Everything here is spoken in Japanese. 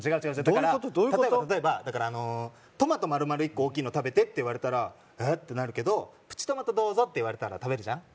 だから例えば例えばだからあのトマトまるまる１個大きいの食べてって言われたらウッてなるけどプチトマトどうぞって言われたら食べるじゃん？